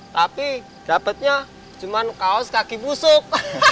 tapi dapatnya cuma kaos kaki busuk